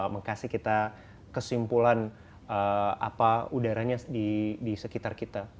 mengkasih kita kesimpulan apa udaranya di sekitar kita